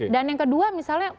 dan yang kedua misalnya